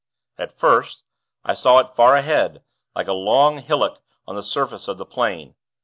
"At first, I saw it, far ahead, like a long hillock on the surface of the Plain.